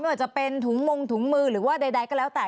ว่าจะเป็นถุงมงถุงมือหรือว่าใดก็แล้วแต่